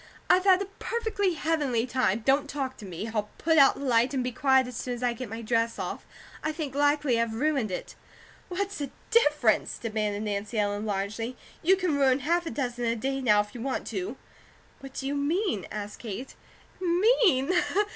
I've had a perfectly heavenly time. Don't talk to me. I'll put out the light and be quiet as soon as I get my dress off. I think likely I've ruined it." "What's the difference?" demanded Nancy Ellen, largely. "You can ruin half a dozen a day now, if you want to." "What do you mean?" asked Kate. "'Mean?'"